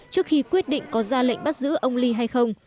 trước khi quyết định có ra lệnh bắt giữ ông ly hay không